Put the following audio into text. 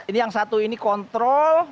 ini yang satu ini kontrol